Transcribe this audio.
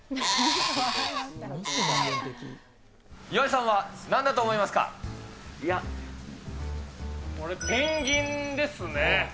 岩井さんは、なんだと思いまいや、俺、ペンギンですね。